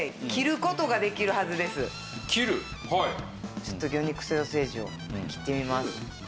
ちょっと魚肉ソーセージを切ってみます。